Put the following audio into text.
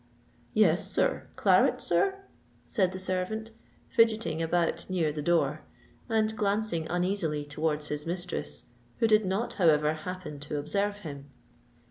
"Yes, sir—claret, sir?" said the servant, fidgetting about near the door, and glancing uneasily towards his mistress, who did not however happen to observe him.